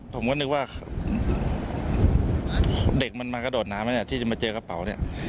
ผมก็นึกว่าเด็กมันมากระโดดน้ำไหมเนี่ยที่จะมาเจอกระเป๋าเนี่ย